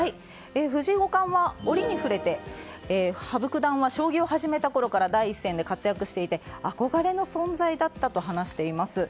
藤井五冠は折に触れて羽生九段は将棋を始めたころから第一線で活躍していて憧れの存在だったと話しています。